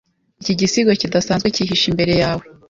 Iki gisigo kidasanzwe cyihishe imbere yawe